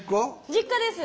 実家です。